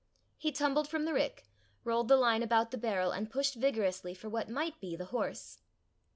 He tumbled from the rick, rolled the line about the barrel, and pushed vigorously for what might be the horse.